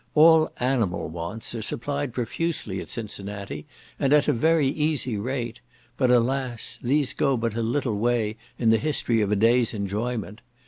All animal wants are supplied profusely at Cincinnati, and at a very easy rate; but, alas! these go but a little way in the history of a day's enjoyment.